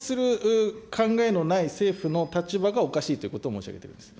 ですから変更する考えのない政府の立場がおかしいということを申し上げているんです。